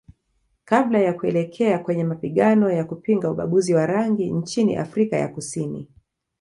Kabla ya kuelekea kwenye mapigano ya kupinga ubaguzi wa rangi nchini Afrika ya Kusini